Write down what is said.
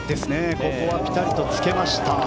ここはピタリとつけました。